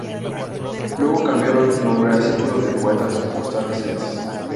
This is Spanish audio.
Luego cambiaron su nombre a Círculo de poetas costarricenses.